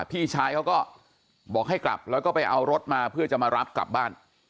พี่ชายเขาก็บอกให้กลับแล้วก็ไปเอารถมาเพื่อจะมารับกลับบ้าน